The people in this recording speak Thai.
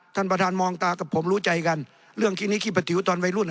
ท่านประธานมองตากับผมรู้ใจกันเรื่องที่นี้ขี้ประจิ๋วตอนวัยรุ่น